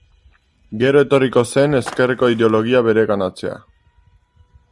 Gero etorriko zen ezkerreko ideologia bereganatzea.